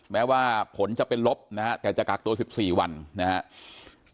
แม้ว่าผลจะเป็นลบนะฮะแต่จะกักตัว๑๔วันนะครับ